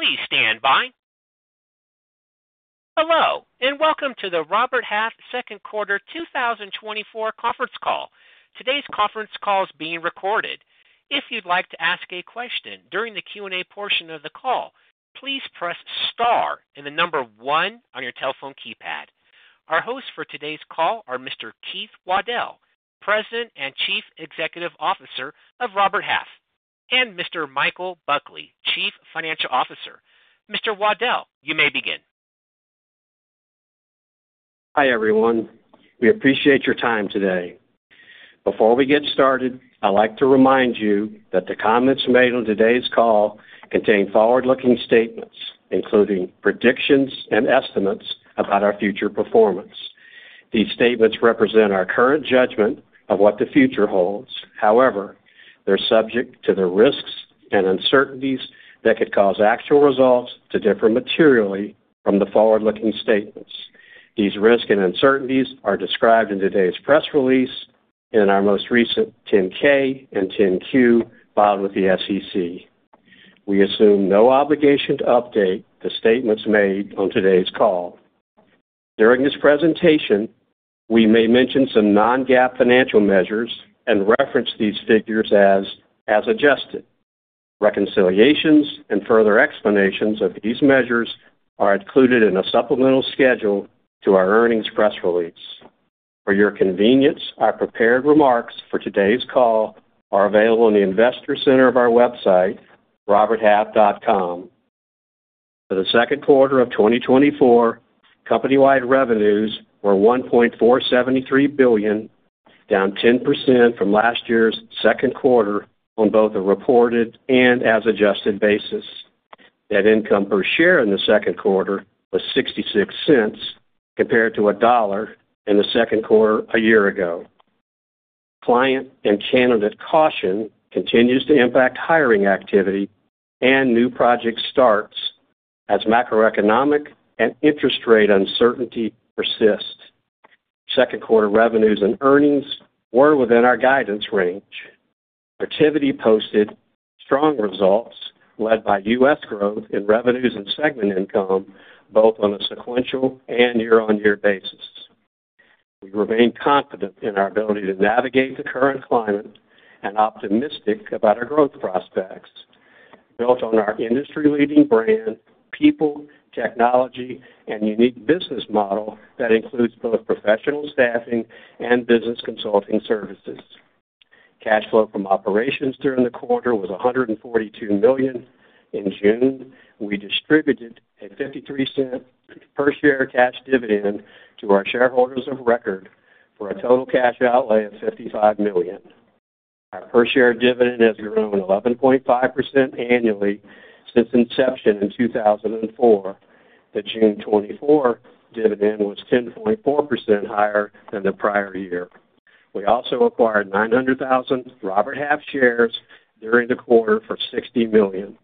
Please stand by. Hello, and welcome to the Robert Half second quarter 2024 conference call. Today's conference call is being recorded. If you'd like to ask a question during the Q&A portion of the call, please press star and one on your telephone keypad. Our hosts for today's call are Mr. Keith Waddell, President and Chief Executive Officer of Robert Half, and Mr. Michael Buckley, Chief Financial Officer. Mr. Waddell, you may begin. Hi, everyone. We appreciate your time today. Before we get started, I'd like to remind you that the comments made on today's call contain forward-looking statements, including predictions and estimates about our future performance. These statements represent our current judgment of what the future holds. However, they're subject to the risks and uncertainties that could cause actual results to differ materially from the forward-looking statements. These risks and uncertainties are described in today's press release and in our most recent 10-K and 10-Q filed with the SEC. We assume no obligation to update the statements made on today's call. During this presentation, we may mention some non-GAAP financial measures and reference these figures as, "as adjusted." Reconciliations and further explanations of these measures are included in a supplemental schedule to our earnings press release. For your convenience, our prepared remarks for today's call are available on the investor center of our website, roberthalf.com. For the second quarter of 2024, company-wide revenues were $1.473 billion, down 10% from last year's second quarter on both a reported and as adjusted basis. Net income per share in the second quarter was $0.66, compared to $1 in the second quarter a year ago. Client and candidate caution continues to impact hiring activity and new project starts as macroeconomic and interest rate uncertainty persist. Second quarter revenues and earnings were within our guidance range. Protiviti posted strong results, led by U.S. growth in revenues and segment income, both on a sequential and year-on-year basis. We remain confident in our ability to navigate the current climate and optimistic about our growth prospects, built on our industry-leading brand, people, technology, and unique business model that includes both professional staffing and business consulting services. Cash flow from operations during the quarter was $142 million. In June, we distributed a $0.53 per share cash dividend to our shareholders of record for a total cash outlay of $55 million. Our per share dividend has grown 11.5% annually since inception in 2004. The June 2024 dividend was 10.4% higher than the prior year. We also acquired 900,000 Robert Half shares during the quarter for $60 million.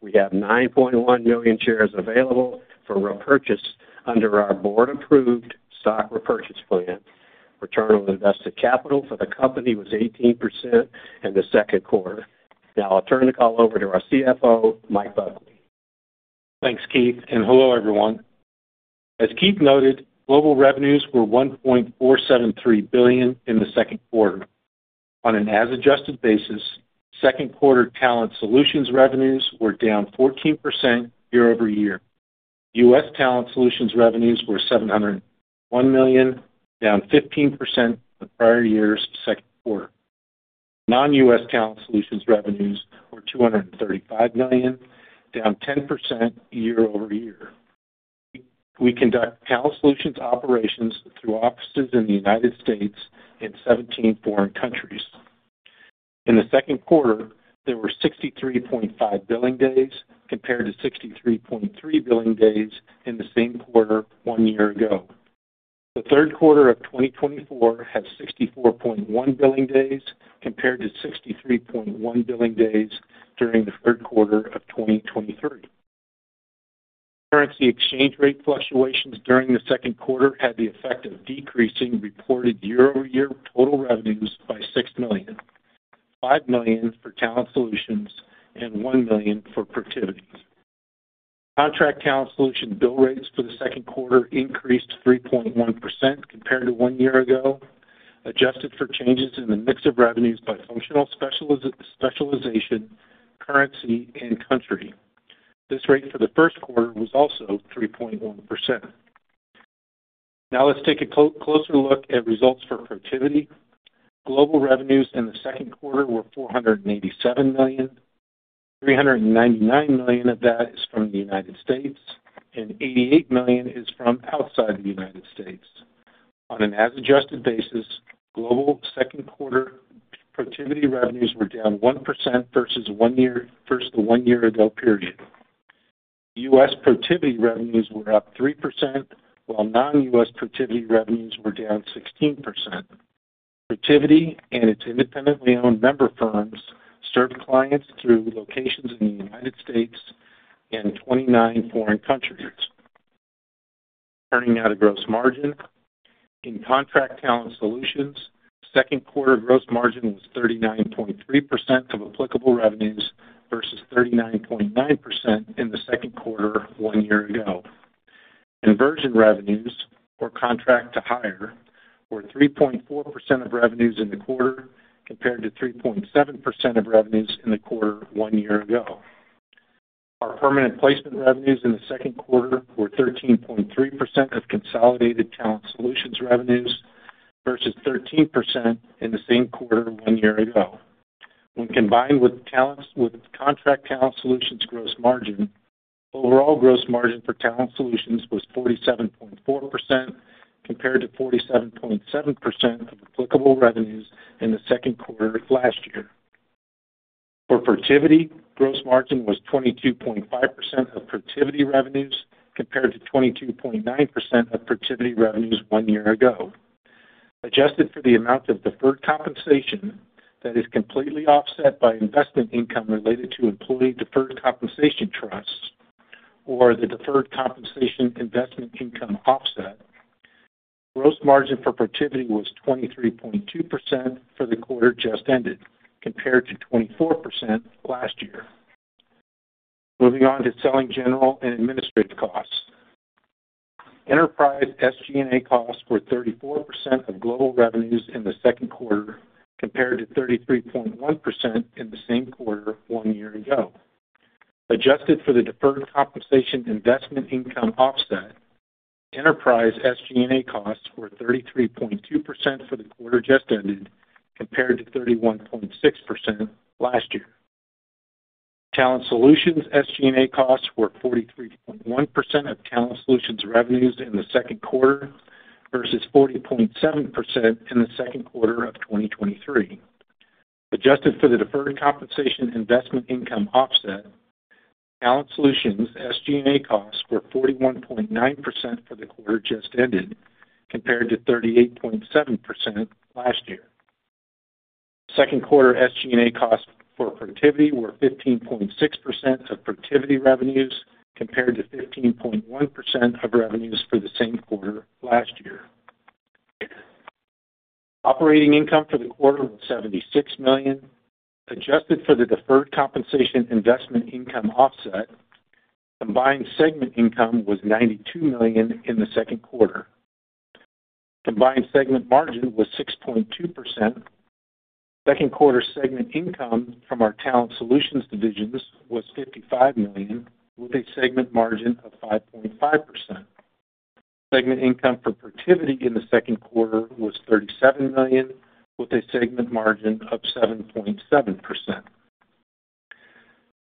We have 9.1 million shares available for repurchase under our board-approved stock repurchase plan. Return on invested capital for the company was 18% in the second quarter. Now, I'll turn the call over to our CFO, Mike Buckley. Thanks, Keith, and hello, everyone. As Keith noted, global revenues were $1.473 billion in the second quarter. On an as adjusted basis, second quarter Talent Solutions revenues were down 14% year-over-year. U.S. Talent Solutions revenues were $701 million, down 15% from the prior year's second quarter. Non-U.S. Talent Solutions revenues were $235 million, down 10% year-over-year. We conduct Talent Solutions operations through offices in the United States and 17 foreign countries. In the second quarter, there were 63.5 billing days, compared to 63.3 billing days in the same quarter one year ago. The third quarter of 2024 had 64.1 billing days, compared to 63.1 billing days during the third quarter of 2023. Currency exchange rate fluctuations during the second quarter had the effect of decreasing reported year-over-year total revenues by $6 million, $5 million for Talent Solutions and $1 million for Protiviti. Contract Talent Solutions bill rates for the second quarter increased 3.1% compared to one year ago, adjusted for changes in the mix of revenues by functional specialization, currency, and country. This rate for the first quarter was also 3.1%. Now, let's take a closer look at results for Protiviti. Global revenues in the second quarter were $487 million. $399 million of that is from the United States, and $88 million is from outside the United States. On an as adjusted basis, global second quarter Protiviti revenues were down 1% versus the one year ago period. U.S. Protiviti revenues were up 3%, while non-U.S. Protiviti revenues were down 16%. Protiviti and its independently owned member firms serve clients through locations in the United States and 29 foreign countries.... Turning now to gross margin. In Contract Talent Solutions, second quarter gross margin was 39.3% of applicable revenues versus 39.9% in the second quarter one year ago. Conversion revenues or contract to hire were 3.4% of revenues in the quarter, compared to 3.7% of revenues in the quarter one year ago. Our permanent placement revenues in the second quarter were 13.3% of consolidated Talent Solutions revenues, versus 13% in the same quarter one year ago. When combined with Contract Talent Solutions gross margin, overall gross margin for Talent Solutions was 47.4%, compared to 47.7% of applicable revenues in the second quarter of last year. For Protiviti, gross margin was 22.5% of Protiviti revenues, compared to 22.9% of Protiviti revenues one year ago. Adjusted for the amount of deferred compensation that is completely offset by investment income related to employee deferred compensation trusts, or the deferred compensation investment income offset, gross margin for Protiviti was 23.2% for the quarter just ended, compared to 24% last year. Moving on to selling general and administrative costs. Enterprise SG&A costs were 34% of global revenues in the second quarter, compared to 33.1% in the same quarter one year ago. Adjusted for the deferred compensation investment income offset, enterprise SG&A costs were 33.2% for the quarter just ended, compared to 31.6% last year. Talent Solutions SG&A costs were 43.1% of Talent Solutions revenues in the second quarter, versus 40.7% in the second quarter of 2023. Adjusted for the deferred compensation investment income offset, Talent Solutions SG&A costs were 41.9% for the quarter just ended, compared to 38.7% last year. Second quarter SG&A costs for Protiviti were 15.6% of Protiviti revenues, compared to 15.1% of revenues for the same quarter last year. Operating income for the quarter was $76 million, adjusted for the deferred compensation investment income offset. Combined segment income was $92 million in the second quarter. Combined segment margin was 6.2%. Second quarter segment income from our Talent Solutions divisions was $55 million, with a segment margin of 5.5%. Segment income for Protiviti in the second quarter was $37 million, with a segment margin of 7.7%.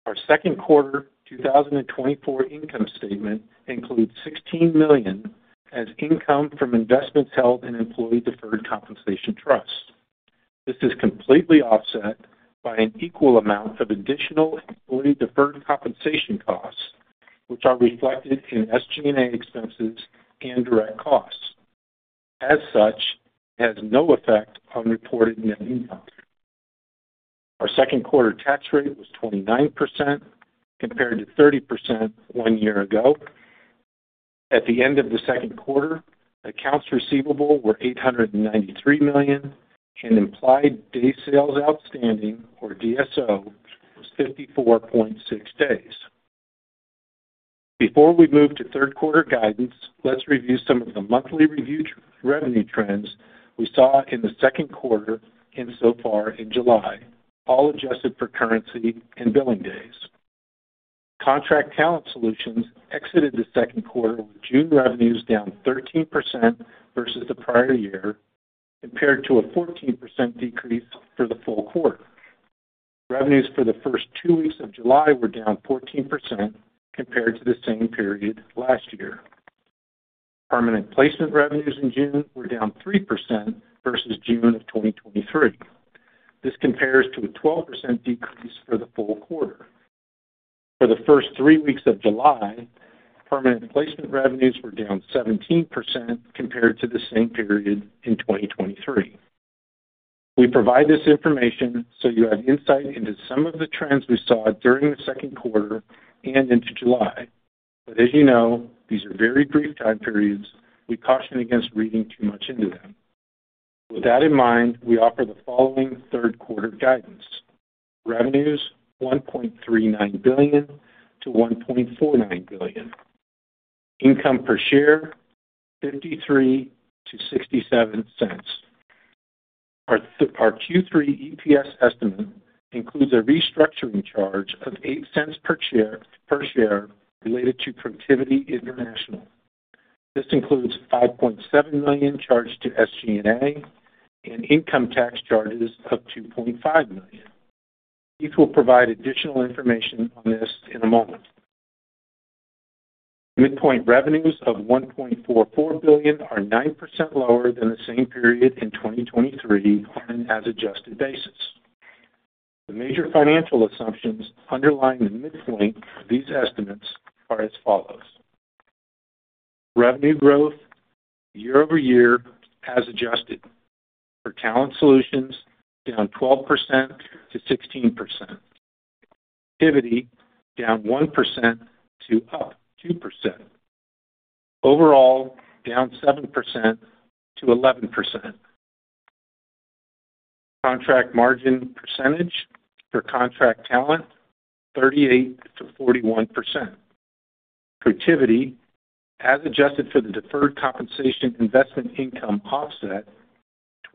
Our second quarter 2024 income statement includes $16 million as income from investments held in employee deferred compensation trust. This is completely offset by an equal amount of additional employee deferred compensation costs, which are reflected in SG&A expenses and direct costs. As such, it has no effect on reported net income. Our second quarter tax rate was 29%, compared to 30% one year ago. At the end of the second quarter, accounts receivable were $893 million, and implied days sales outstanding, or DSO, was 54.6 days. Before we move to third quarter guidance, let's review some of the monthly revenue trends we saw in the second quarter and so far in July, all adjusted for currency and billing days. Contract Talent Solutions exited the second quarter with June revenues down 13% versus the prior year, compared to a 14% decrease for the full quarter. Revenues for the first two weeks of July were down 14% compared to the same period last year. Permanent Placement revenues in June were down 3% versus June of 2023. This compares to a 12% decrease for the full quarter. For the first three weeks of July, Permanent Placement revenues were down 17% compared to the same period in 2023. We provide this information so you have insight into some of the trends we saw during the second quarter and into July. But as you know, these are very brief time periods. We caution against reading too much into them. With that in mind, we offer the following third quarter guidance. Revenues, $1.39 billion-$1.49 billion. Income per share, $0.53-$0.67. Our Q3 EPS estimate includes a restructuring charge of $0.08 per share, per share related to Protiviti International. This includes $5.7 million charged to SG&A and income tax charges of $2.5 million. We will provide additional information on this in a moment. Midpoint revenues of $1.44 billion are 9% lower than the same period in 2023 on an as adjusted basis. The major financial assumptions underlying the midpoint for these estimates are as follows: Revenue growth year-over-year as adjusted for Talent Solutions down 12%-16%. Activity down 1%-2%. Overall, down 7%-11%. Contract margin percentage for Contract Talent, 38%-41%. Protiviti, as adjusted for the deferred compensation investment income offset,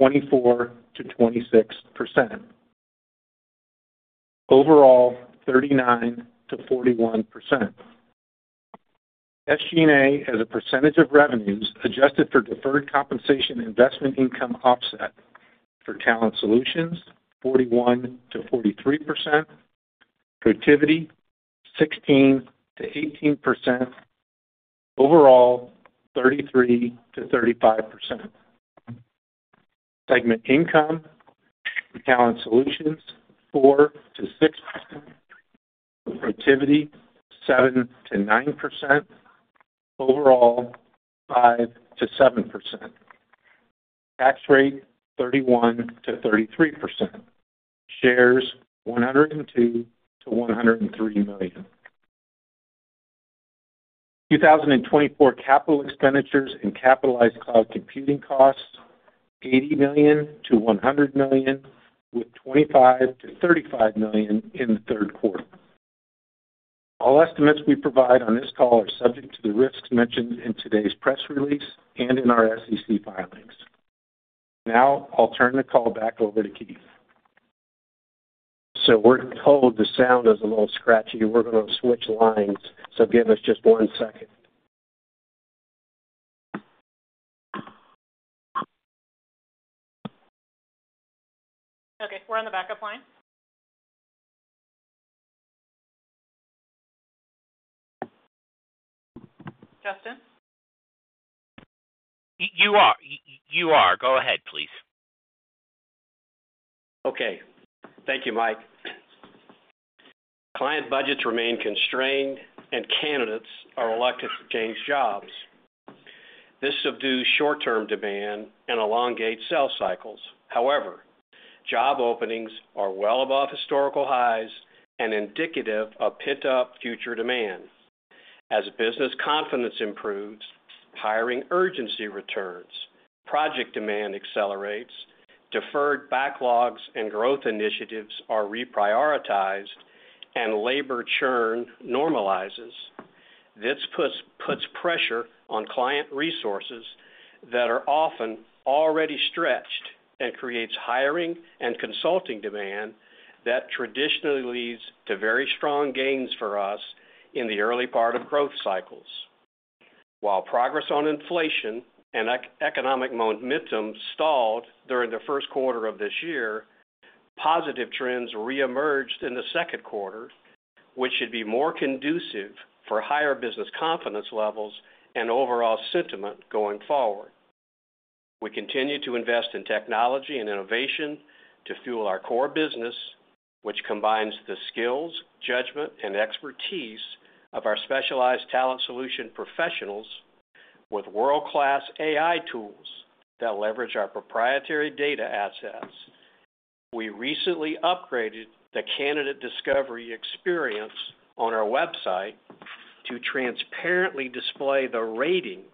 24%-26%. Overall, 39%-41%. SG&A, as a percentage of revenues, adjusted for deferred compensation investment income offset for Talent Solutions, 41%-43%. Protiviti, 16%-18%. Overall, 33%-35%. Segment income for Talent Solutions, 4%-6%. Protiviti, 7%-9%. Overall, 5%-7%. Tax rate, 31%-33%. Shares, 102 million-103 million. 2024 capital expenditures and capitalized cloud computing costs, $80 million-$100 million, with $25 million-$35 million in the third quarter. All estimates we provide on this call are subject to the risks mentioned in today's press release and in our SEC filings. Now I'll turn the call back over to Keith. So we're told the sound is a little scratchy. We're going to switch lines, so give us just one second. Okay, we're on the backup line. Justin? You are. Go ahead, please. Okay. Thank you, Mike. Client budgets remain constrained and candidates are reluctant to change jobs. This subdues short-term demand and elongate sales cycles. However, job openings are well above historical highs and indicative of pent-up future demand. As business confidence improves, hiring urgency returns, project demand accelerates, deferred backlogs and growth initiatives are reprioritized, and labor churn normalizes. This puts pressure on client resources that are often already stretched and creates hiring and consulting demand that traditionally leads to very strong gains for us in the early part of growth cycles. While progress on inflation and economic momentum stalled during the first quarter of this year, positive trends reemerged in the second quarter, which should be more conducive for higher business confidence levels and overall sentiment going forward. We continue to invest in technology and innovation to fuel our core business, which combines the skills, judgment, and expertise of our specialized talent solution professionals with world-class AI tools that leverage our proprietary data assets. We recently upgraded the Candidate Discovery experience on our website to transparently display the ratings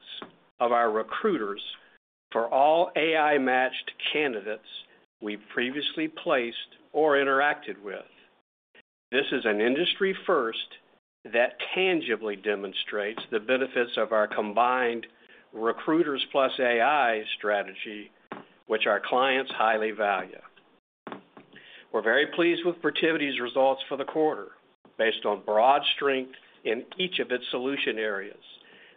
of our recruiters for all AI-matched candidates we previously placed or interacted with. This is an industry first that tangibly demonstrates the benefits of our combined Recruiters plus AI strategy, which our clients highly value. We're very pleased with Protiviti's results for the quarter, based on broad strength in each of its solution areas.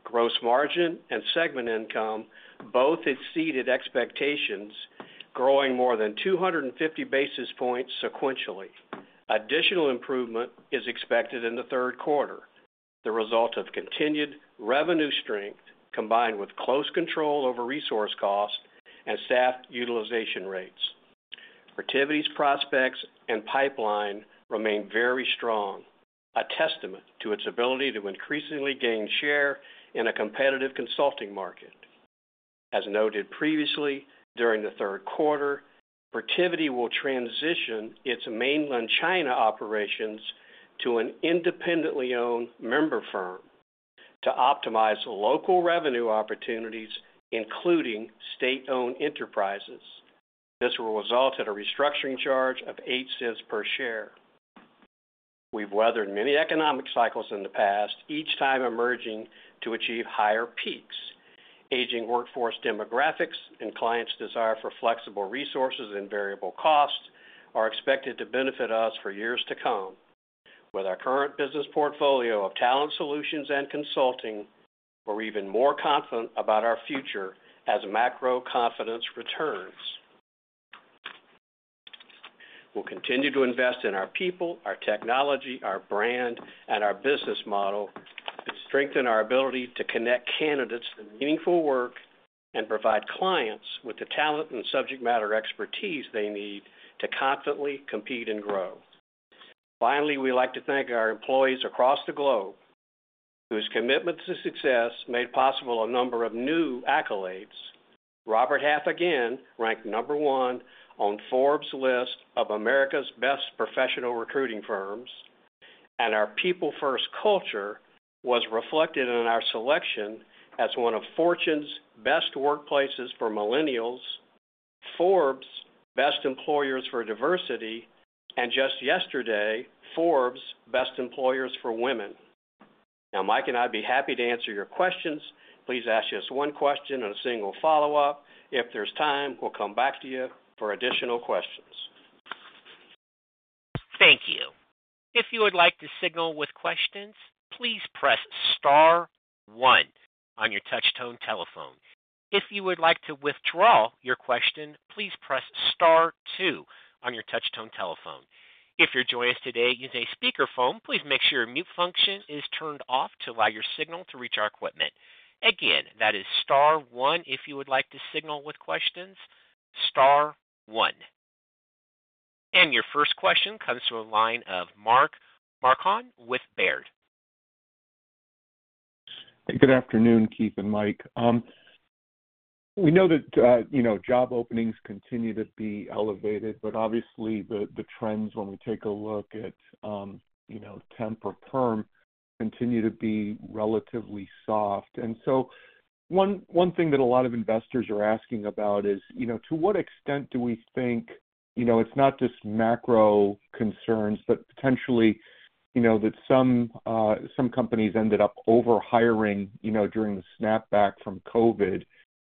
Gross margin and segment income both exceeded expectations, growing more than 250 basis points sequentially. Additional improvement is expected in the third quarter, the result of continued revenue strength, combined with close control over resource costs and staff utilization rates. Protiviti's prospects and pipeline remain very strong, a testament to its ability to increasingly gain share in a competitive consulting market. As noted previously, during the third quarter, Protiviti will transition its Mainland China operations to an independently owned member firm to optimize local revenue opportunities, including state-owned enterprises. This will result in a restructuring charge of $0.08 per share. We've weathered many economic cycles in the past, each time emerging to achieve higher peaks. Aging workforce demographics and clients' desire for flexible resources and variable costs are expected to benefit us for years to come. With our current business portfolio of talent solutions and consulting, we're even more confident about our future as macro confidence returns. We'll continue to invest in our people, our technology, our brand, and our business model to strengthen our ability to connect candidates to meaningful work and provide clients with the talent and subject matter expertise they need to confidently compete and grow. Finally, we'd like to thank our employees across the globe, whose commitment to success made possible a number of new accolades. Robert Half again ranked number one on Forbes' list of America's Best Professional Recruiting Firms, and our People First culture was reflected in our selection as one of Fortune's Best Workplaces for Millennials, Forbes Best Employers for Diversity, and just yesterday, Forbes Best Employers for Women. Now, Mike and I'd be happy to answer your questions. Please ask us one question and a single follow-up. If there's time, we'll come back to you for additional questions. Thank you. If you would like to signal with questions, please press star one on your touchtone telephone. If you would like to withdraw your question, please press star two on your touchtone telephone. If you're joining us today using a speakerphone, please make sure your mute function is turned off to allow your signal to reach our equipment. Again, that is star one if you would like to signal with questions, star one. Your first question comes from a line of Mark Marcon with Baird. Good afternoon, Keith and Mike. We know that, you know, job openings continue to be elevated, but obviously, the trends when we take a look at, you know, temp or perm, continue to be relatively soft. So one thing that a lot of investors are asking about is, you know, to what extent do we think, you know, it's not just macro concerns, but potentially, you know, that some companies ended up over-hiring, you know, during the snap back from COVID,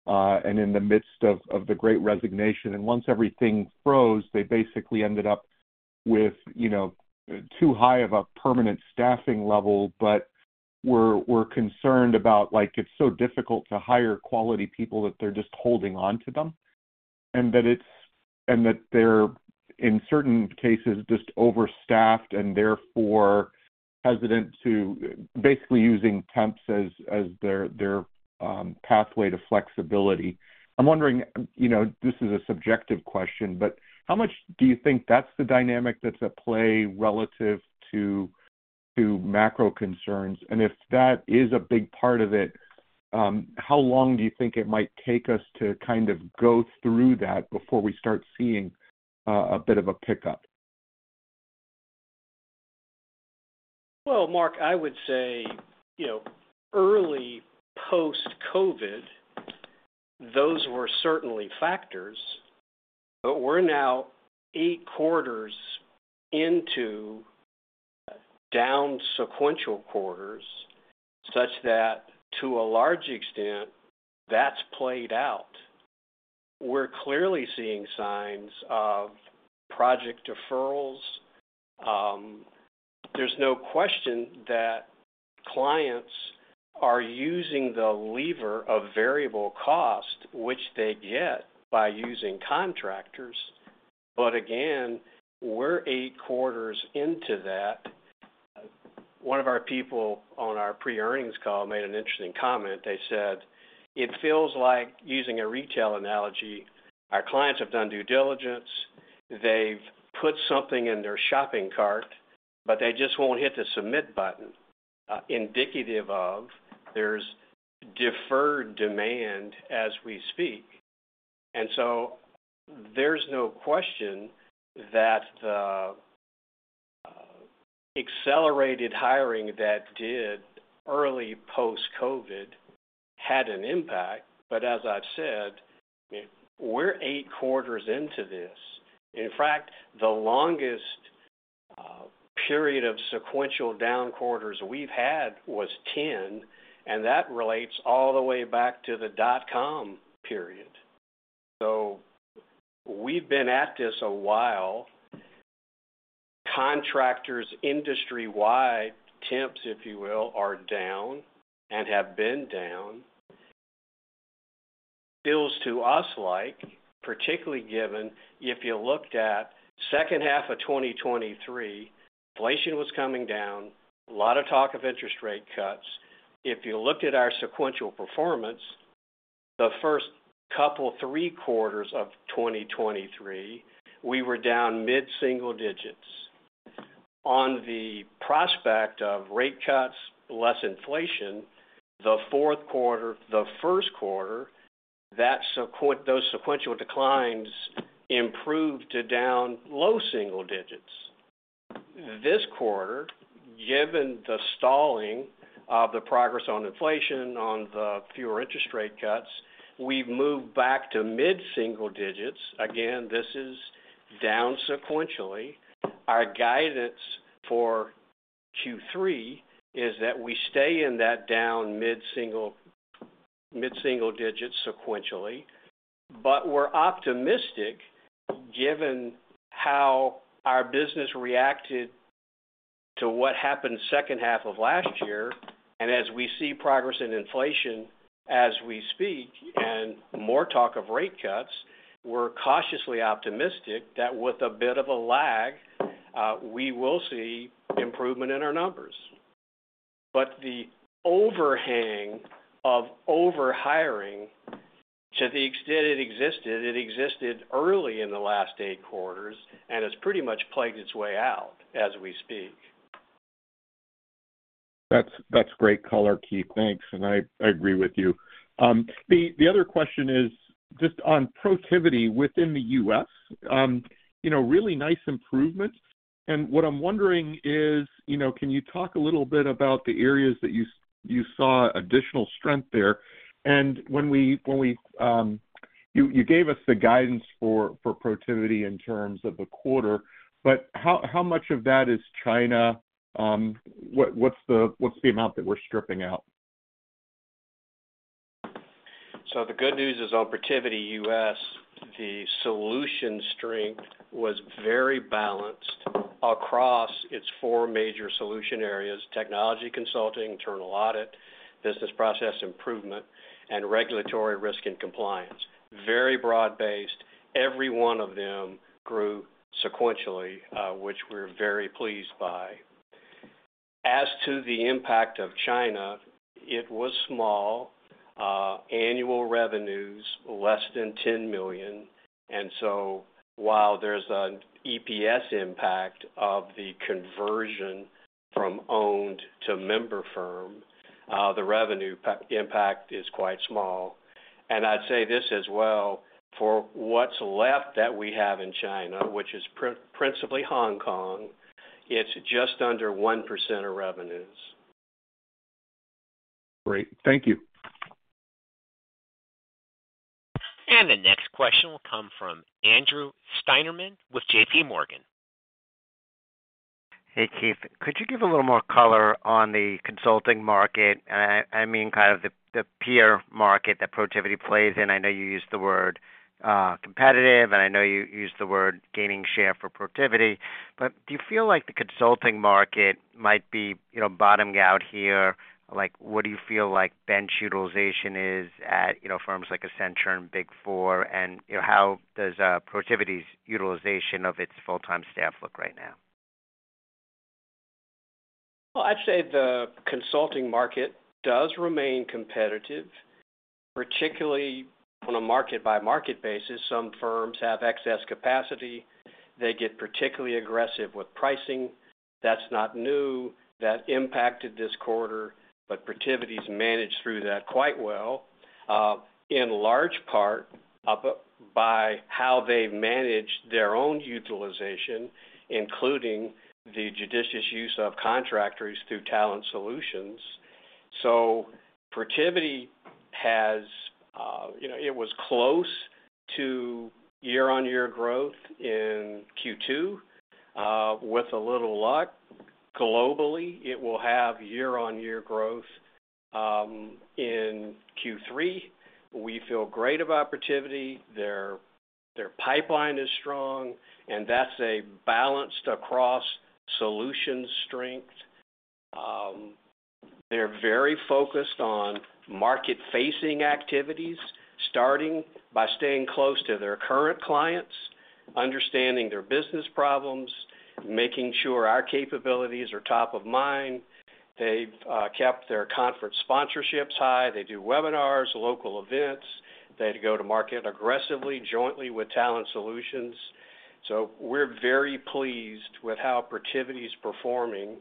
and in the midst of the Great Resignation. Once everything froze, they basically ended up with, you know, too high of a permanent staffing level. But we're concerned about, like, it's so difficult to hire quality people that they're just holding on to them, and that they're, in certain cases, just overstaffed and therefore hesitant to basically using temps as their pathway to flexibility. I'm wondering, you know, this is a subjective question, but how much do you think that's the dynamic that's at play relative to macro concerns? And if that is a big part of it, how long do you think it might take us to kind of go through that before we start seeing a bit of a pickup? Well, Mark, I would say, you know, early post-COVID, those were certainly factors, but we're now eight quarters into down sequential quarters, such that to a large extent, that's played out. We're clearly seeing signs of project deferrals. There's no question that clients are using the lever of variable cost, which they get by using contractors. But again, we're eight quarters into that. One of our people on our pre-earnings call made an interesting comment. They said, "It feels like using a retail analogy, our clients have done due diligence, they've put something in their shopping cart, but they just won't hit the submit button." Indicative of there's deferred demand as we speak. And so there's no question that the accelerated hiring that did early post-COVID had an impact. But as I've said, we're eight quarters into this. In fact, the longest period of sequential down quarters we've had was 10, and that relates all the way back to the dot-com period. So we've been at this a while. Contractors, industry-wide, temps, if you will, are down and have been down. Feels to us like, particularly given if you looked at second half of 2023, inflation was coming down, a lot of talk of interest rate cuts. If you looked at our sequential performance, the first couple, three quarters of 2023, we were down mid-single digits. On the prospect of rate cuts, less inflation, the fourth quarter, the first quarter, those sequential declines improved to down low single digits. This quarter, given the stalling of the progress on inflation, on the fewer interest rate cuts, we've moved back to mid-single digits. Again, this is down sequentially. Our guidance for Q3 is that we stay in that down mid-single, mid-single digits sequentially. But we're optimistic, given how our business reacted to what happened second half of last year, and as we see progress in inflation as we speak and more talk of rate cuts, we're cautiously optimistic that with a bit of a lag, we will see improvement in our numbers. But the overhang of over-hiring to the extent it existed, it existed early in the last eight quarters, and it's pretty much plagued its way out as we speak. That's great color, Keith. Thanks. And I agree with you. The other question is just on Protiviti within the U.S., you know, really nice improvement. And what I'm wondering is, you know, can you talk a little bit about the areas that you saw additional strength there? And when you gave us the guidance for Protiviti in terms of the quarter, but how much of that is China? What's the amount that we're stripping out? So the good news is on Protiviti U.S., the solution strength was very balanced across its four major solution areas: technology consulting, internal audit, business process improvement, and regulatory risk and compliance. Very broad-based. Every one of them grew sequentially, which we're very pleased by. As to the impact of China, it was small, annual revenues, less than $10 million. And so while there's an EPS impact of the conversion from owned to member firm, the revenue impact is quite small. And I'd say this as well, for what's left that we have in China, which is principally Hong Kong, it's just under 1% of revenues. Great. Thank you. The next question will come from Andrew Steinerman with JPMorgan. Hey, Keith, could you give a little more color on the consulting market? I mean, kind of the, the peer market that Protiviti plays in. I know you used the word, competitive, and I know you used the word gaining share for Protiviti, but do you feel like the consulting market might be, you know, bottoming out here? Like, what do you feel like bench utilization is at, you know, firms like Accenture and Big 4? And, you know, how does, Protiviti's utilization of its full-time staff look right now? Well, I'd say the consulting market does remain competitive, particularly on a market-by-market basis. Some firms have excess capacity. They get particularly aggressive with pricing. That's not new. That impacted this quarter, but Protiviti's managed through that quite well, in large part, by how they've managed their own utilization, including the judicious use of contractors through Talent Solutions. So Protiviti has, you know, it was close to year-on-year growth in Q2. With a little luck, globally, it will have year-on-year growth in Q3. We feel great about Protiviti. Their pipeline is strong, and that's balanced across solutions strength. They're very focused on market-facing activities, starting by staying close to their current clients, understanding their business problems, making sure our capabilities are top of mind. They've kept their conference sponsorships high. They do webinars, local events. They go to market aggressively, jointly with Talent Solutions. So we're very pleased with how Protiviti is performing,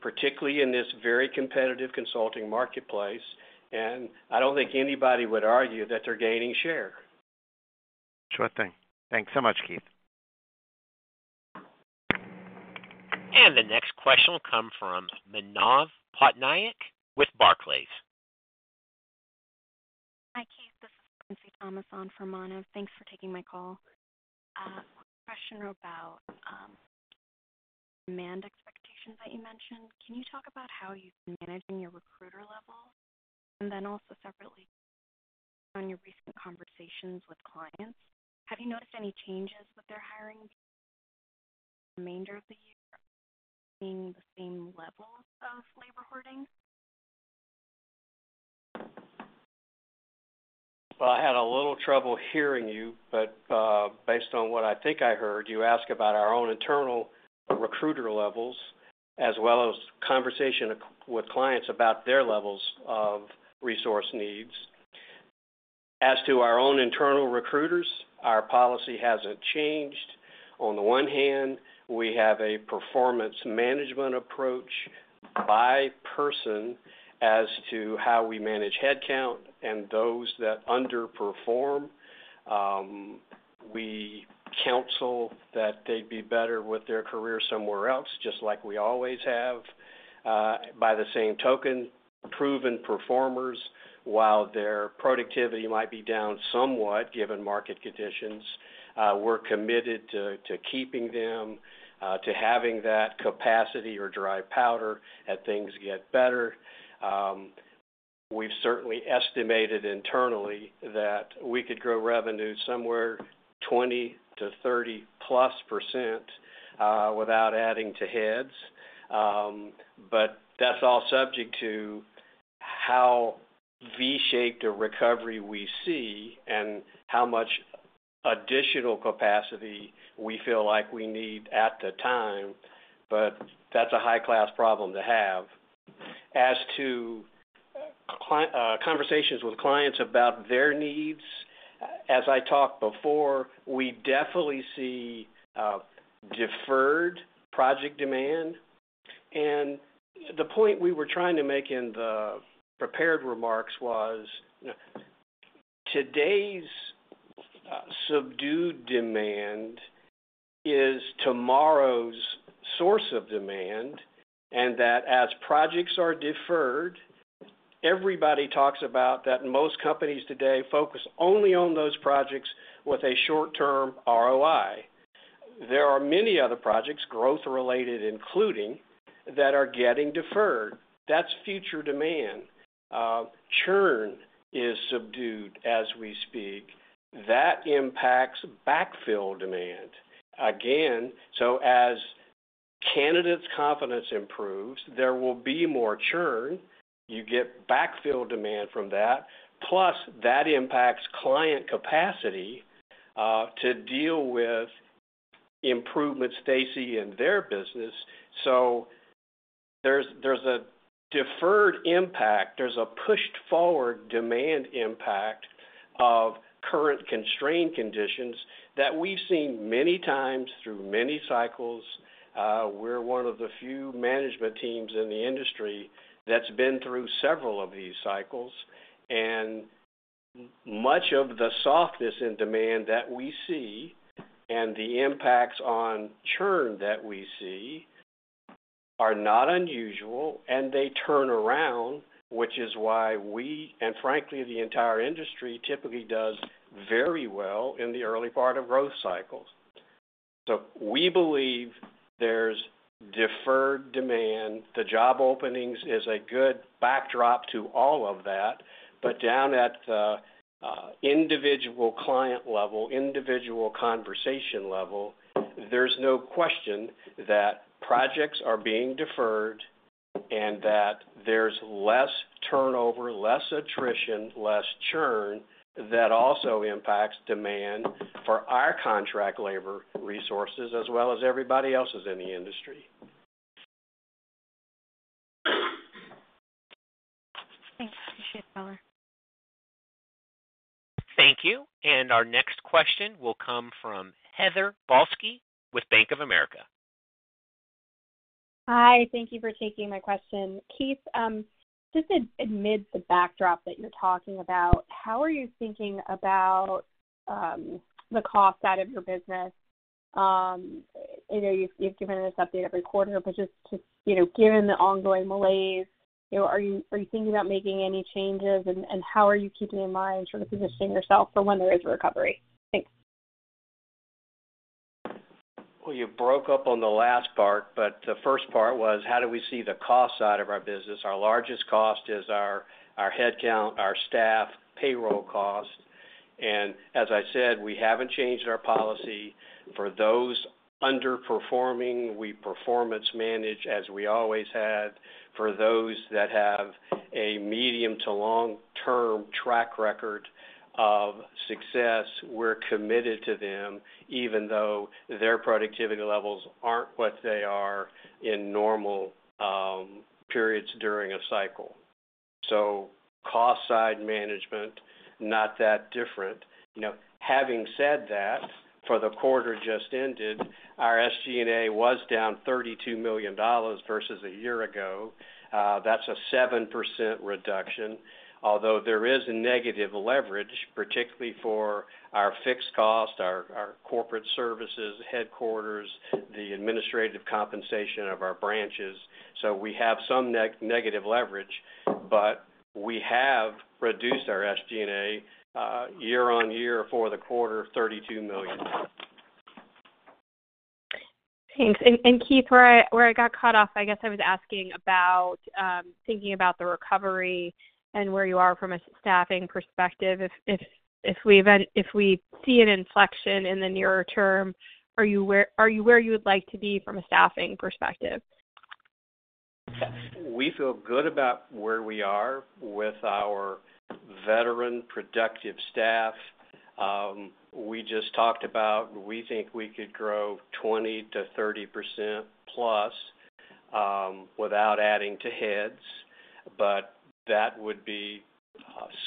particularly in this very competitive consulting marketplace, and I don't think anybody would argue that they're gaining share. Sure thing. Thanks so much, Keith. The next question will come from Manav Patnaik with Barclays. Hi, Keith, this is Princy Thomas on for Manav. Thanks for taking my call. Question about demand expectations that you mentioned. Can you talk about how you've been managing your recruiter levels? And then also separately, on your recent conversations with clients, have you noticed any changes with their hiring for the remainder of the year, seeing the same levels of labor hoarding? Well, I had a little trouble hearing you, but based on what I think I heard, you ask about our own internal recruiter levels, as well as conversation with clients about their levels of resource needs. As to our own internal recruiters, our policy hasn't changed. On the one hand, we have a performance management approach by person as to how we manage headcount and those that underperform, we counsel that they'd be better with their career somewhere else, just like we always have. By the same token, proven performers, while their productivity might be down somewhat, given market conditions, we're committed to keeping them, to having that capacity or dry powder as things get better. We've certainly estimated internally that we could grow revenue somewhere 20%-30%+, without adding to heads. But that's all subject to how V-shaped a recovery we see and how much additional capacity we feel like we need at the time, but that's a high-class problem to have... As to conversations with clients about their needs, as I talked before, we definitely see deferred project demand. The point we were trying to make in the prepared remarks was, today's subdued demand is tomorrow's source of demand, and that as projects are deferred, everybody talks about that. Most companies today focus only on those projects with a short-term ROI. There are many other projects, growth-related, including, that are getting deferred. That's future demand. Churn is subdued as we speak. That impacts backfill demand. Again, so as candidates' confidence improves, there will be more churn. You get backfill demand from that, plus that impacts client capacity to deal with improvements they see in their business. So there's a deferred impact, there's a pushed forward demand impact of current constrained conditions that we've seen many times through many cycles. We're one of the few management teams in the industry that's been through several of these cycles, and much of the softness in demand that we see, and the impacts on churn that we see, are not unusual, and they turn around, which is why we, and frankly, the entire industry, typically does very well in the early part of growth cycles. So we believe there's deferred demand. The job openings is a good backdrop to all of that, but down at the individual client level, individual conversation level, there's no question that projects are being deferred and that there's less turnover, less attrition, less churn that also impacts demand for our contract labor resources as well as everybody else's in the industry. Thanks. Appreciate color. Thank you. Our next question will come from Heather Balsky with Bank of America. Hi, thank you for taking my question. Keith, just amidst the backdrop that you're talking about, how are you thinking about the cost side of your business? I know you've given us update every quarter, but just, you know, given the ongoing malaise, you know, are you thinking about making any changes, and how are you keeping in mind, sort of, positioning yourself for when there is a recovery? Thanks. Well, you broke up on the last part, but the first part was how do we see the cost side of our business? Our largest cost is our, our headcount, our staff, payroll cost. And as I said, we haven't changed our policy. For those underperforming, we performance manage, as we always had. For those that have a medium to long-term track record of success, we're committed to them, even though their productivity levels aren't what they are in normal, periods during a cycle. So cost side management, not that different. You know, having said that, for the quarter just ended, our SG&A was down $32 million versus a year ago. That's a 7% reduction, although there is a negative leverage, particularly for our fixed cost, our, our corporate services, headquarters, the administrative compensation of our branches. So we have some negative leverage, but we have reduced our SG&A year-over-year for the quarter, $32 million. Thanks. And Keith, where I got cut off, I guess I was asking about thinking about the recovery and where you are from a staffing perspective. If we see an inflection in the nearer term, are you where you would like to be from a staffing perspective? We feel good about where we are with our veteran productive staff. We just talked about we think we could grow 20%-30%+, without adding to heads, but that would be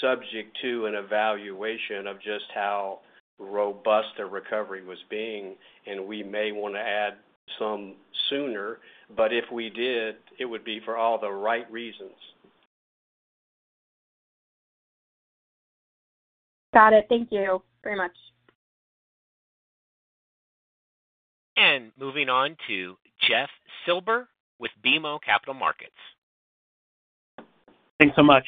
subject to an evaluation of just how robust the recovery was being, and we may wanna add some sooner, but if we did, it would be for all the right reasons. Got it. Thank you very much. Moving on to Jeff Silber with BMO Capital Markets. Thanks so much.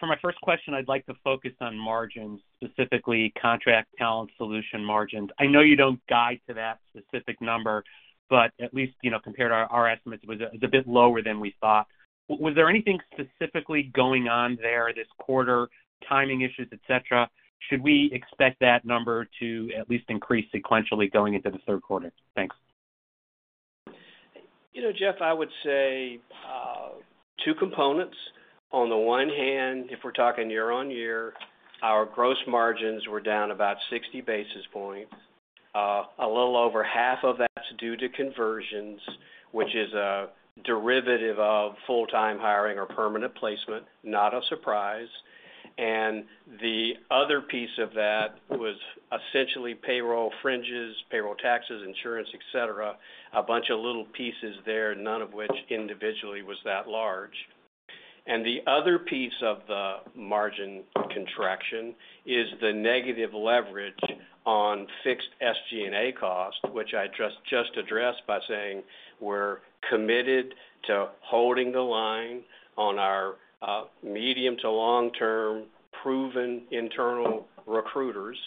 For my first question, I'd like to focus on margins, specifically Contract Talent Solutions margins. I know you don't guide to that specific number, but at least, you know, compared to our estimates, is a bit lower than we thought. Was there anything specifically going on there this quarter, timing issues, et cetera? Should we expect that number to at least increase sequentially going into the third quarter? Thanks. You know, Jeff, I would say, two components. On the one hand, if we're talking year-on-year, our gross margins were down about 60 basis points. A little over half of that's due to conversions, which is a derivative of full-time hiring or permanent placement, not a surprise. And the other piece of that was essentially payroll fringes, payroll taxes, insurance, et cetera, a bunch of little pieces there, none of which individually was that large. And the other piece of the margin contraction is the negative leverage on fixed SG&A costs, which I just, just addressed by saying we're committed to holding the line on our, medium to long-term proven internal recruiters.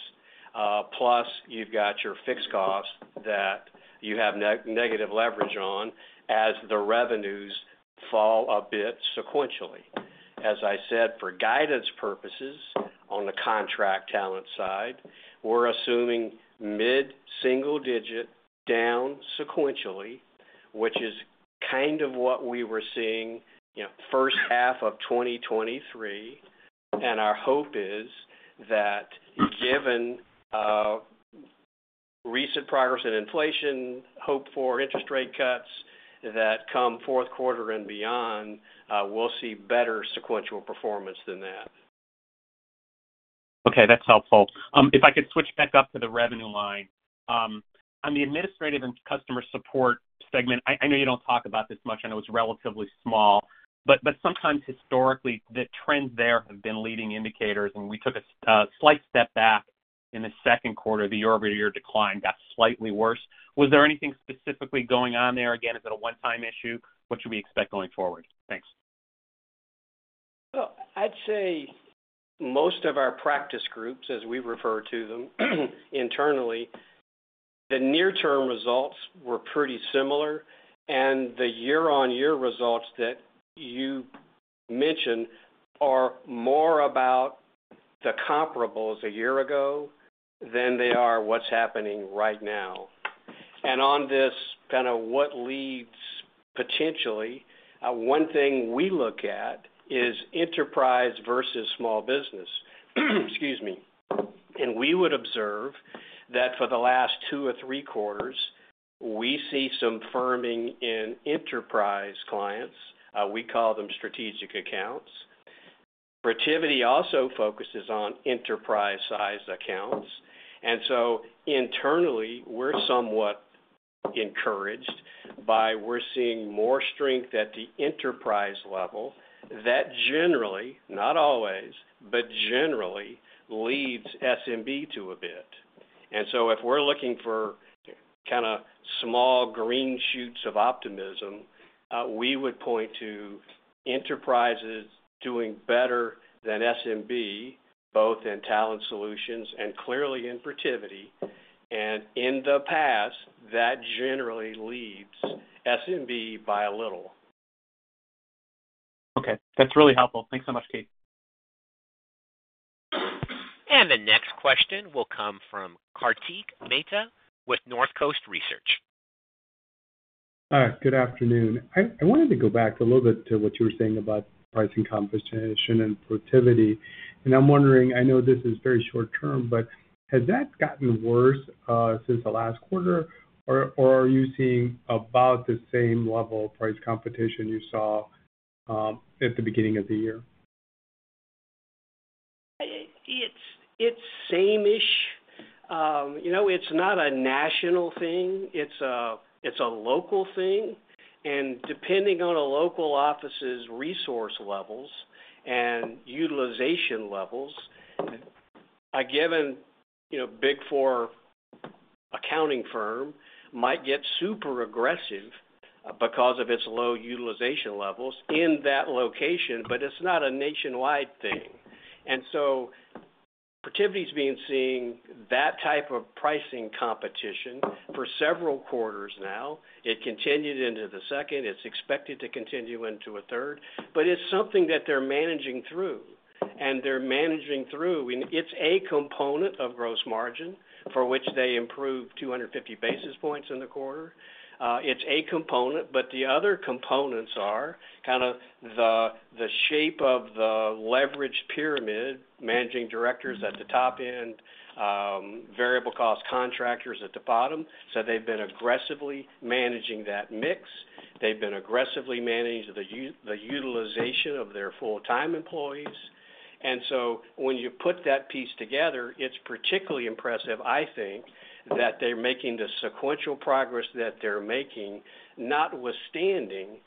Plus, you've got your fixed costs that you have negative leverage on as the revenues fall a bit sequentially. As I said, for guidance purposes, on the contract talent side, we're assuming mid-single digit down sequentially, which is kind of what we were seeing, you know, first half of 2023. Our hope is that given recent progress in inflation, hope for interest rate cuts that come fourth quarter and beyond, we'll see better sequential performance than that. Okay, that's helpful. If I could switch back up to the revenue line. On the Administrative and Customer Support segment, I know you don't talk about this much, I know it's relatively small, but sometimes historically, the trends there have been leading indicators, and we took a slight step back in the second quarter. The year-over-year decline got slightly worse. Was there anything specifically going on there? Again, is it a one-time issue? What should we expect going forward? Thanks. Well, I'd say most of our practice groups, as we refer to them, internally, the near-term results were pretty similar, and the year-on-year results that you mentioned are more about the comparables a year ago than they are what's happening right now. And on this, kind of, what leads potentially, one thing we look at is enterprise versus small business. Excuse me. And we would observe that for the last two or three quarters, we see some firming in enterprise clients. We call them strategic accounts. Protiviti also focuses on enterprise-sized accounts, and so internally, we're somewhat encouraged by we're seeing more strength at the enterprise level. That generally, not always, but generally leads SMB to a bit. So if we're looking for kind of small green shoots of optimism, we would point to enterprises doing better than SMB, both in Talent Solutions and clearly in Protiviti. In the past, that generally leads SMB by a little. Okay. That's really helpful. Thanks so much, Keith. The next question will come from Kartik Mehta with Northcoast Research. Good afternoon. I wanted to go back a little bit to what you were saying about pricing competition and Protiviti. I'm wondering, I know this is very short term, but has that gotten worse since the last quarter, or are you seeing about the same level of price competition you saw at the beginning of the year? It's same-ish. You know, it's not a national thing, it's a local thing, and depending on a local office's resource levels and utilization levels, a given, you know, Big 4 accounting firm might get super aggressive because of its low utilization levels in that location, but it's not a nationwide thing. And so Protiviti's been seeing that type of pricing competition for several quarters now. It continued into the second. It's expected to continue into a third, but it's something that they're managing through, and they're managing through. It's a component of gross margin for which they improved 250 basis points in the quarter. It's a component, but the other components are kind of the shape of the leverage pyramid, managing directors at the top end, variable cost contractors at the bottom. So they've been aggressively managing that mix. They've been aggressively managing the utilization of their full-time employees. And so when you put that piece together, it's particularly impressive, I think, that they're making the sequential progress that they're making, notwithstanding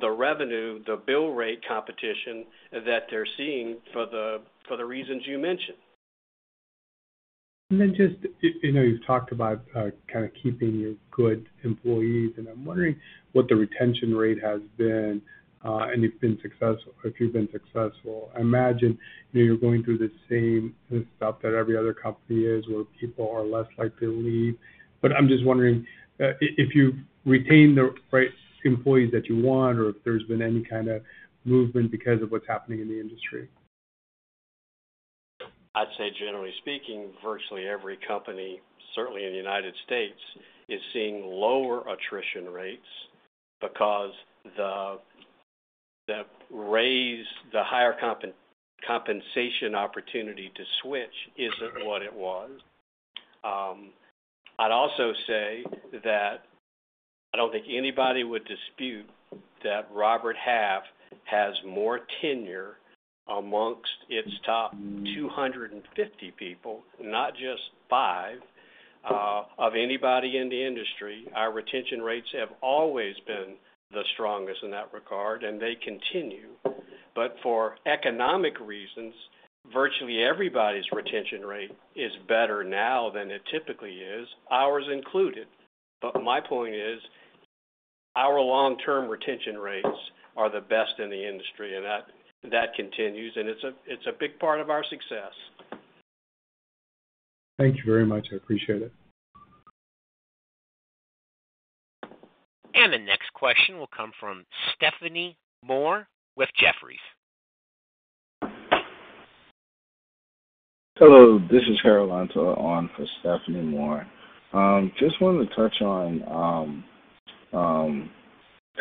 the revenue, the bill rate competition that they're seeing for the reasons you mentioned. And then just, you know, you've talked about, kind of keeping your good employees, and I'm wondering what the retention rate has been, and you've been successful, if you've been successful. I imagine, you know, you're going through the same stuff that every other company is, where people are less likely to leave. But I'm just wondering, if you've retained the right employees that you want or if there's been any kind of movement because of what's happening in the industry? I'd say, generally speaking, virtually every company, certainly in the United States, is seeing lower attrition rates because the higher compensation opportunity to switch isn't what it was. I'd also say that I don't think anybody would dispute that Robert Half has more tenure amongst its top 250 people, not just 5, of anybody in the industry. Our retention rates have always been the strongest in that regard, and they continue. But for economic reasons, virtually everybody's retention rate is better now than it typically is, ours included. But my point is, our long-term retention rates are the best in the industry, and that continues, and it's a big part of our success. Thank you very much. I appreciate it. The next question will come from Stephanie Moore with Jefferies. Hello, this is Harold Antor on for Stephanie Moore. Just wanted to touch on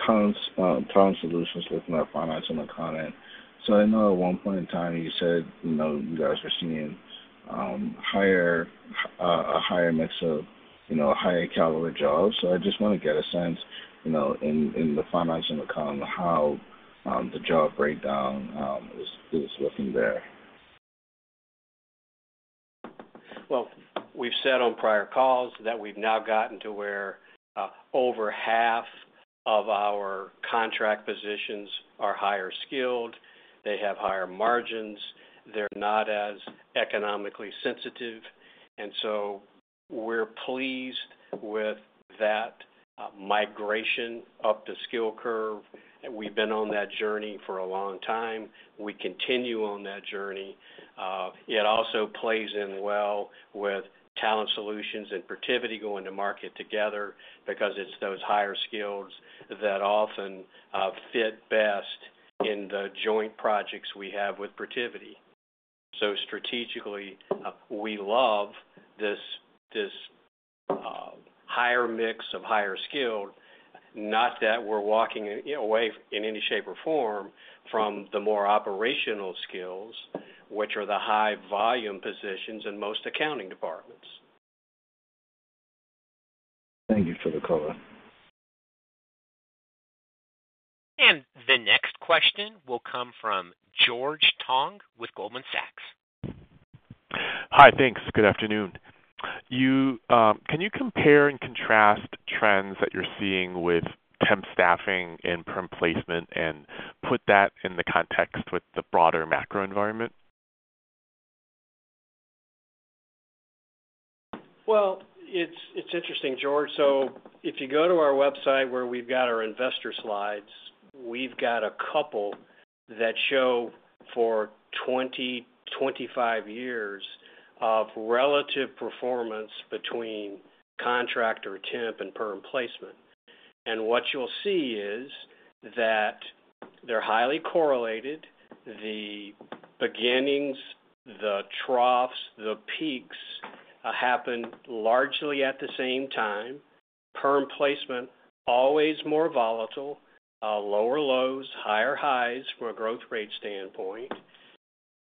Talent Solutions within our Finance and Accounting. So I know at one point in time you said, you know, you guys were seeing a higher mix of, you know, higher caliber jobs. So I just wanna get a sense, you know, in the Finance and Accounting, how the job breakdown is looking there. Well, we've said on prior calls that we've now gotten to where over half of our contract positions are higher skilled, they have higher margins, they're not as economically sensitive, and so we're pleased with that migration up the skill curve. We've been on that journey for a long time. We continue on that journey. It also plays in well with Talent Solutions and Protiviti going to market together because it's those higher skills that often fit best in the joint projects we have with Protiviti. So strategically, we love this, this higher mix of higher skill, not that we're walking away in any shape or form from the more operational skills, which are the high volume positions in most accounting departments. Thank you for the color. The next question will come from George Tong with Goldman Sachs. Hi. Thanks. Good afternoon. Can you compare and contrast trends that you're seeing with temp staffing and perm placement and put that in the context with the broader macro environment? Well, it's interesting, George. So if you go to our website where we've got our investor slides, we've got a couple that show for 25 years of relative performance between contract or temp and perm placement. And what you'll see is that they're highly correlated. The beginnings, the troughs, the peaks happen largely at the same time. Perm placement always more volatile, lower lows, higher highs from a growth rate standpoint.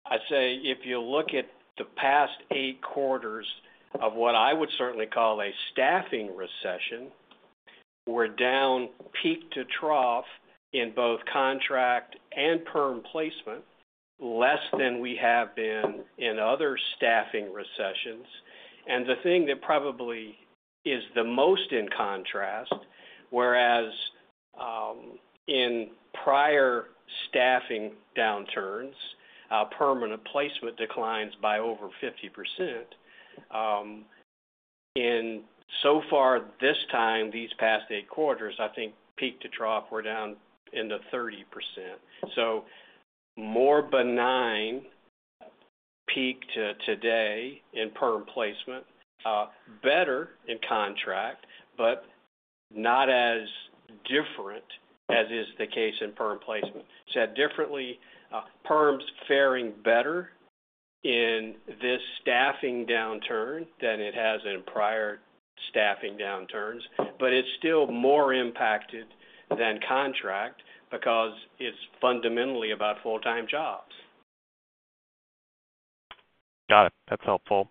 I'd say if you look at the past eight quarters of what I would certainly call a staffing recession, we're down, peak to trough, in both contract and perm placement, less than we have been in other staffing recessions. The thing that probably is the most in contrast, whereas, in prior staffing downturns, permanent placement declines by over 50%, and so far this time, these past eight quarters, I think peak to trough, we're down in the 30%. More benign peak to today in perm placement, better in contract, but not as different as is the case in perm placement. Differently, perms faring better in this staffing downturn than it has in prior staffing downturns, but it's still more impacted than contract because it's fundamentally about full-time jobs. Got it. That's helpful.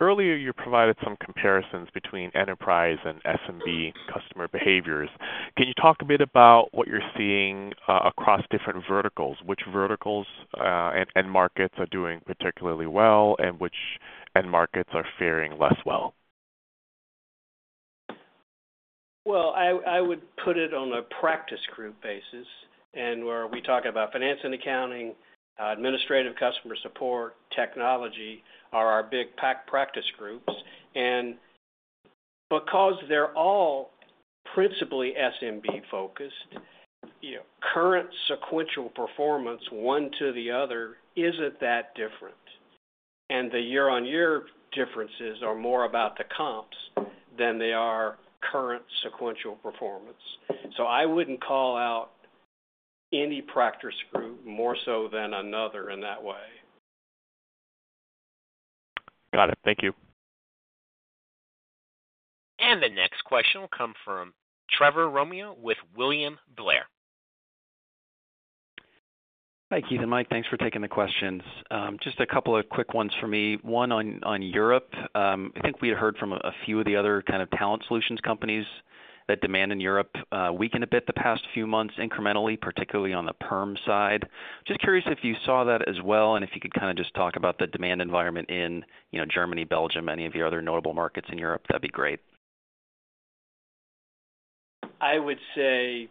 Earlier, you provided some comparisons between enterprise and SMB customer behaviors. Can you talk a bit about what you're seeing, across different verticals? Which verticals, and markets are doing particularly well, and which end markets are faring less well? Well, I would put it on a practice group basis, and where we talk about Finance and Accounting, Administrative Customer Support, Technology, are our big PAC practice groups. And because they're all principally SMB-focused, you know, current sequential performance, one to the other, isn't that different. And the year-on-year differences are more about the comps than they are current sequential performance. So I wouldn't call out any practice group more so than another in that way. Got it. Thank you. The next question will come from Trevor Romeo with William Blair. Hi, Keith and Mike, thanks for taking the questions. Just a couple of quick ones for me. One on Europe. I think we had heard from a few of the other kind of talent solutions companies that demand in Europe weakened a bit the past few months incrementally, particularly on the perm side. Just curious if you saw that as well, and if you could kinda just talk about the demand environment in, you know, Germany, Belgium, any of the other notable markets in Europe, that'd be great. I would say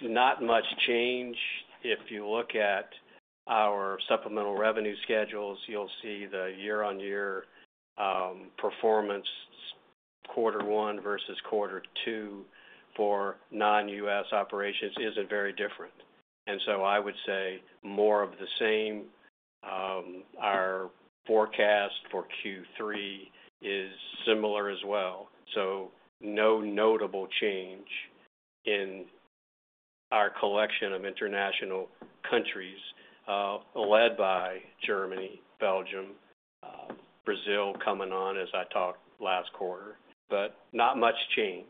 not much change. If you look at our supplemental revenue schedules, you'll see the year-on-year performance quarter one versus quarter two for non-U.S. operations isn't very different. And so I would say more of the same. Our forecast for Q3 is similar as well, so no notable change in our collection of international countries, led by Germany, Belgium, Brazil coming on as I talked last quarter, but not much change.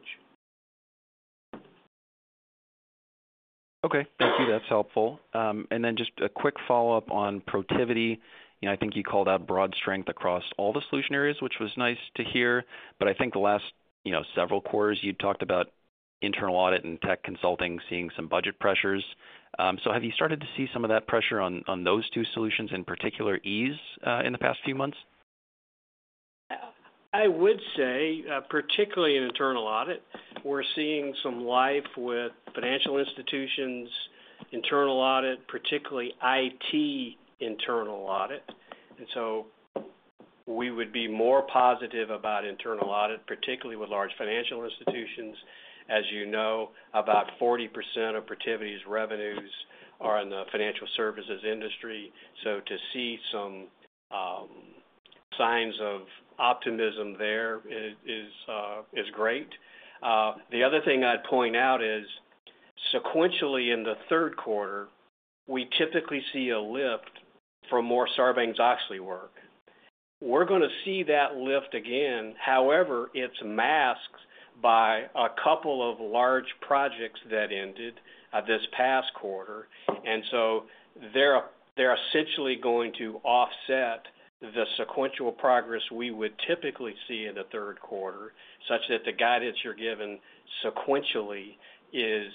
Okay, thank you. That's helpful. And then just a quick follow-up on Protiviti. You know, I think you called out broad strength across all the solution areas, which was nice to hear, but I think the last, you know, several quarters, you talked about internal audit and tech consulting seeing some budget pressures. So have you started to see some of that pressure on, on those two solutions, in particular, ease, in the past few months? I would say, particularly in internal audit, we're seeing some life with financial institutions, internal audit, particularly IT internal audit. And so we would be more positive about internal audit, particularly with large financial institutions. As you know, about 40% of Protiviti's revenues are in the financial services industry. So to see some signs of optimism there is great. The other thing I'd point out is, sequentially, in the third quarter, we typically see a lift from more Sarbanes-Oxley work. We're gonna see that lift again. However, it's masked by a couple of large projects that ended this past quarter. And so they're essentially going to offset the sequential progress we would typically see in the third quarter, such that the guidance you're given sequentially is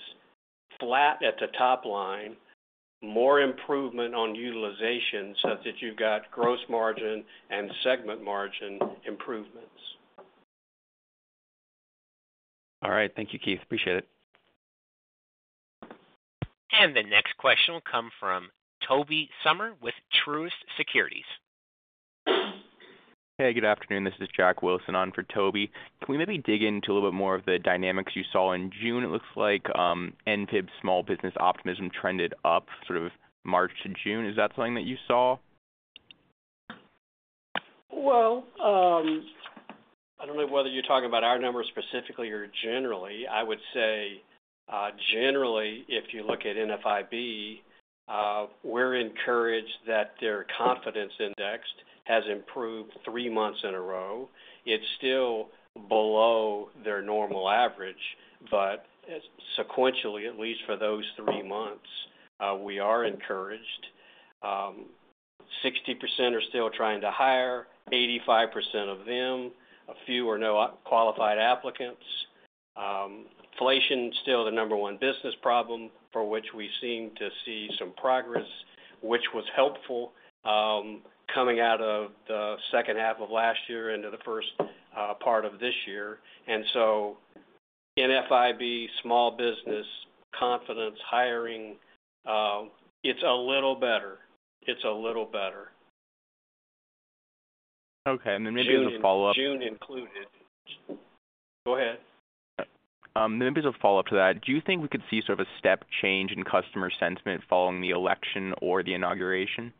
flat at the top line, more improvement on utilization, such that you've got gross margin and segment margin improvements. All right. Thank you, Keith. Appreciate it. The next question will come from Tobey Sommer with Truist Securities. Hey, good afternoon. This is Jack Wilson on for Tobey. Can we maybe dig into a little bit more of the dynamics you saw in June? It looks like, NFIB small business optimism trended up sort of March to June. Is that something that you saw? Well, I don't know whether you're talking about our numbers specifically or generally. I would say, generally, if you look at NFIB, we're encouraged that their confidence index has improved three months in a row. It's still below their normal average, but sequentially, at least for those three months, we are encouraged. 60% are still trying to hire, 85% of them, a few or no qualified applicants. Inflation is still the number one business problem for which we seem to see some progress, which was helpful, coming out of the second half of last year into the first part of this year. And so NFIB, small business, confidence, hiring, it's a little better. It's a little better. Okay, and then maybe as a follow-up. June included. Go ahead. Maybe as a follow-up to that, do you think we could see sort of a step change in customer sentiment following the election or the inauguration?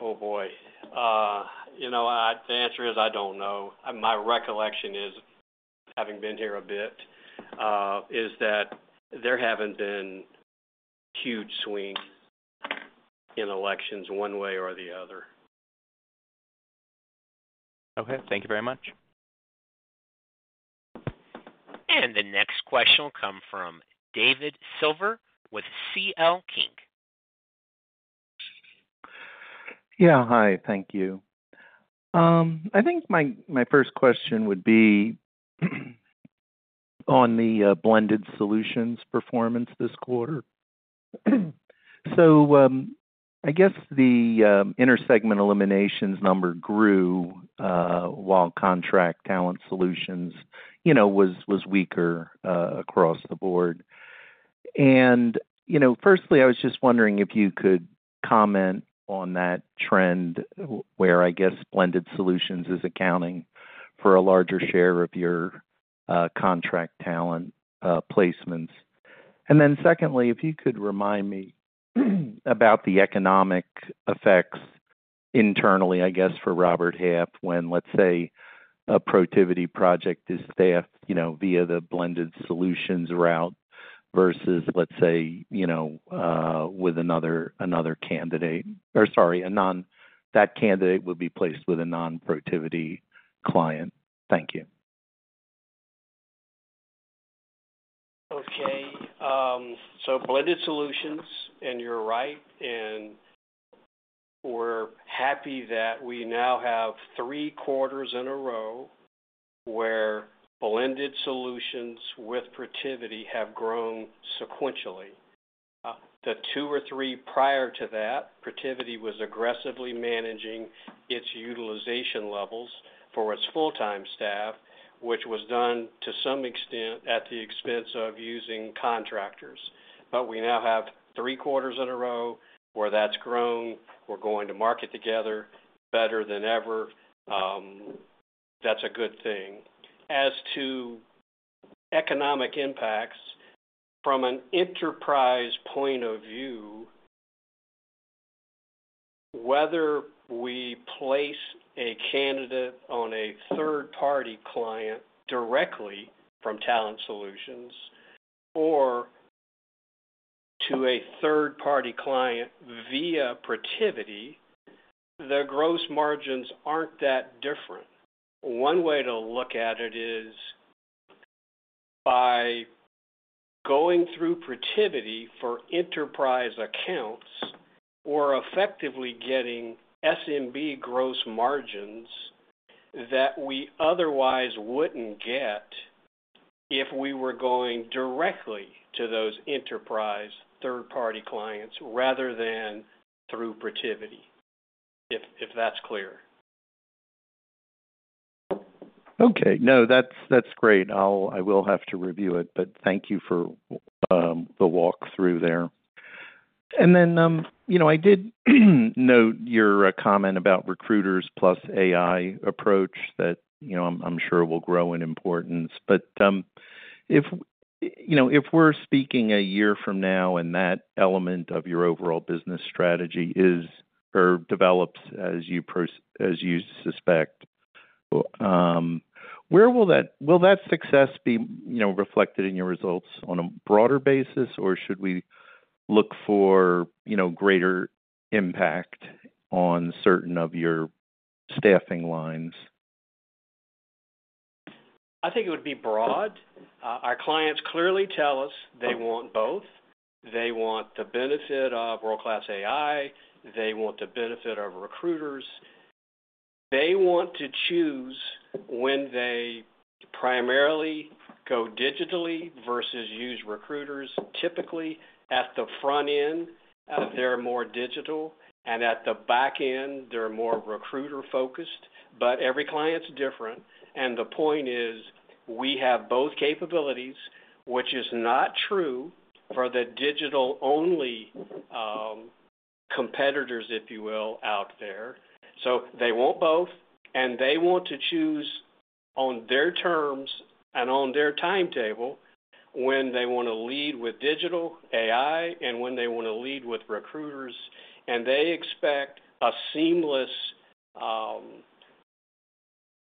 Oh, boy! You know, the answer is I don't know. My recollection is, having been here a bit, is that there haven't been huge swings in elections one way or the other. Okay, thank you very much. The next question will come from David Silver with C.L. King. Yeah. Hi, thank you. I think my first question would be on the blended solutions performance this quarter. So, I guess the inter-segment eliminations number grew while Contract Talent Solutions, you know, was weaker across the board. And, you know, firstly, I was just wondering if you could comment on that trend, where, I guess blended solutions is accounting for a larger share of your contract talent placements. And then secondly, if you could remind me about the economic effects internally, I guess, for Robert Half when, let's say, a Protiviti project is staffed, you know, via the blended solutions route versus, let's say, you know, with another candidate or, sorry, that candidate would be placed with a non-Protiviti client. Thank you. Okay, so blended solutions, and you're right, and we're happy that we now have three quarters in a row where blended solutions with Protiviti have grown sequentially. The two or three prior to that, Protiviti was aggressively managing its utilization levels for its full-time staff, which was done to some extent at the expense of using contractors. But we now have three quarters in a row where that's grown. We're going to market together better than ever. That's a good thing. As to economic impacts, from an enterprise point of view, whether we place a candidate on a third-party client directly from Talent Solutions or to a third-party client via Protiviti, the gross margins aren't that different. One way to look at it is, by going through Protiviti for enterprise accounts, we're effectively getting SMB gross margins that we otherwise wouldn't get if we were going directly to those enterprise third-party clients rather than through Protiviti, if that's clear. Okay. No, that's, that's great. I'll-- I will have to review it, but thank you for the walk-through there. And then, you know, I did note your comment about recruiters plus AI approach that, you know, I'm, I'm sure will grow in importance. But, if, you know, if we're speaking a year from now and that element of your overall business strategy is or develops as you pros-- as you suspect, where will that... Will that success be, you know, reflected in your results on a broader basis, or should we look for, you know, greater impact on certain of your staffing lines? I think it would be broad. Our clients clearly tell us they want both. They want the benefit of world-class AI, they want the benefit of recruiters. They want to choose when they primarily go digitally versus use recruiters. Typically, at the front end, they're more digital, and at the back end, they're more recruiter-focused. But every client's different, and the point is, we have both capabilities, which is not true for the digital-only competitors, if you will, out there. So they want both, and they want to choose on their terms and on their timetable when they want to lead with digital AI and when they want to lead with recruiters, and they expect a seamless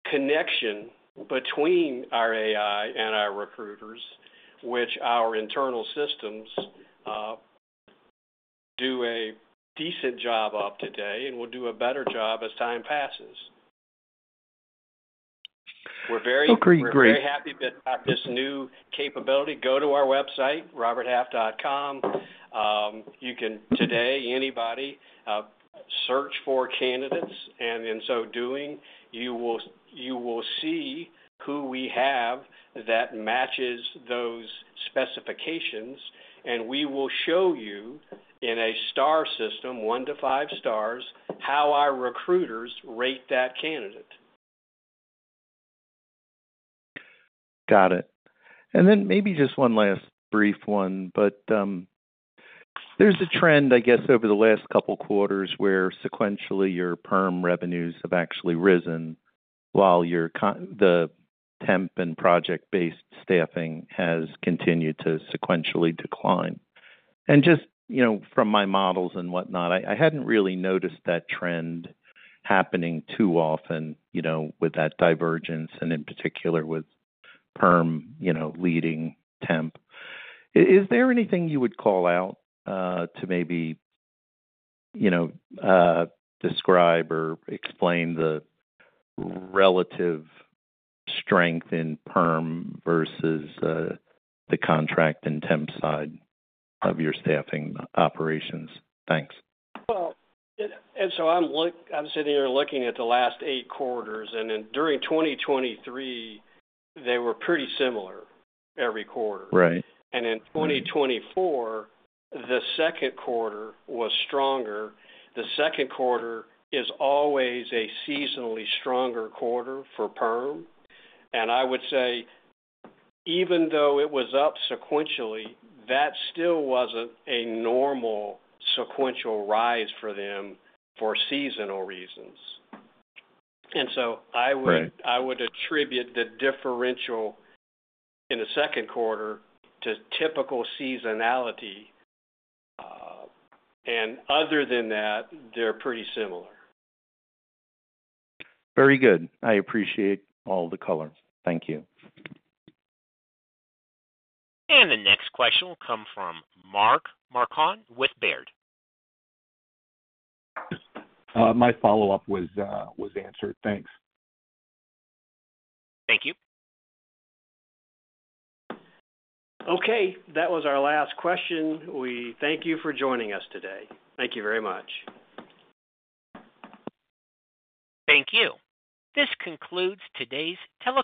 connection between our AI and our recruiters, which our internal systems do a decent job of today and will do a better job as time passes. Okay, great. We're very happy about this new capability. Go to our website, roberthalf.com. You can, today, anybody, search for candidates, and in so doing, you will, you will see who we have that matches those specifications, and we will show you in a star system, one to five stars, how our recruiters rate that candidate. Got it. And then maybe just one last brief one, but there's a trend, I guess, over the last couple quarters, where sequentially, your perm revenues have actually risen while your the temp and project-based staffing has continued to sequentially decline. And just, you know, from my models and whatnot, I hadn't really noticed that trend happening too often, you know, with that divergence and in particular with perm, you know, leading temp. Is there anything you would call out, to maybe, you know, describe or explain the relative strength in perm versus the contract and temp side of your staffing operations? Thanks. Well, I'm sitting here looking at the last eight quarters, and then during 2023, they were pretty similar every quarter. Right. In 2024, the second quarter was stronger. The second quarter is always a seasonally stronger quarter for perm, and I would say, even though it was up sequentially, that still wasn't a normal sequential rise for them for seasonal reasons. And so I would- Right. I would attribute the differential in the second quarter to typical seasonality. And other than that, they're pretty similar. Very good. I appreciate all the color. Thank you. The next question will come from Mark Marcon with Baird. My follow-up was answered. Thanks. Thank you. Okay. That was our last question. We thank you for joining us today. Thank you very much. Thank you. This concludes today's teleconference.